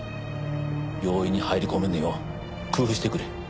容易に入り込めぬよう工夫してくれ。